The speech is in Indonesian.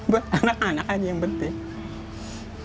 buat anak anak aja yang penting